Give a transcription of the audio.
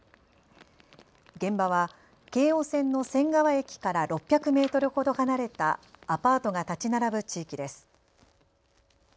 現場は京王線の仙川駅から６００メートルほど離れたアパートが建ち並ぶ地域です。